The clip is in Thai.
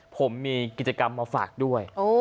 ผมมีกิจกรรมมาฝากด้วย